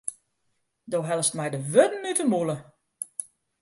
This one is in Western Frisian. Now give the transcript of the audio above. Do hellest my de wurden út de mûle.